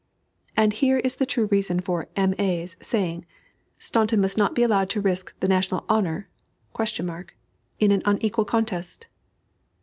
And herein is the true reason for "M. A.'s" saying, "Staunton must not be allowed to risk the national honor (?) in an unequal contest."